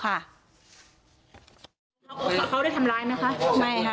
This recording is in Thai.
เขาได้ทำร้ายไหมคะ